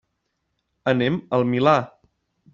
Anem al Milà.